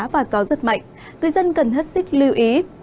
và gió rất mạnh người dân cần hất xích lưu ý